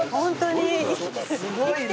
すごいな！